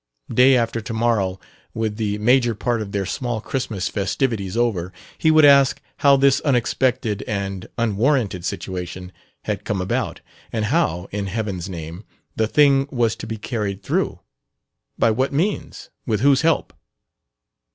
Day after to morrow, with the major part of their small Christmas festivities over, he would ask how this unexpected and unwarranted situation had come about, and how, in heaven's name, the thing was to be carried through: by what means, with whose help?...